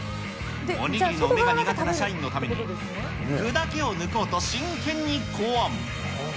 お握りの梅が苦手な社員のために、具だけを抜こうと真剣に考案。